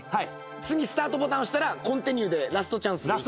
次スタートボタン押したらコンティニューでラストチャンス。